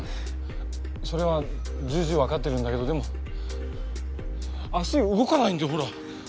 それは重々わかってるんだけどでも足動かないんだよほら。